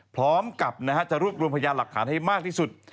พร้อมกับจะรวบรวมพยานหลักฐานให้มากที่สุด